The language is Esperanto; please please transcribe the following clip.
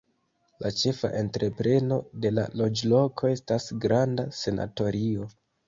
La ĉefa entrepreno de la loĝloko estas granda sanatorio.